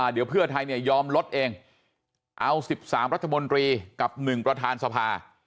เดี๋ยวเพื่อไทยเนี่ยยอมลดเองเอา๑๓รัฐมนตรีกับ๑ประธานสภา